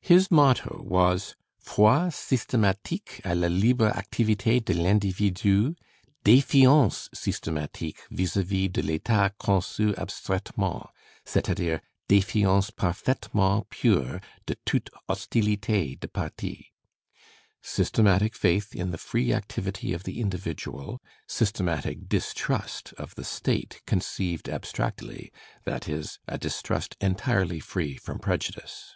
His motto was "Foi systematiqtie à la libre activité de I'individu; defiance systematique vis à vis de l'État conçu abstraitement, c'est à dire, defiance parfaitement pure de toute hostilité de parti." [Systematic faith in the free activity of the individual; systematic distrust of the State conceived abstractly, that is, a distrust entirely free from prejudice.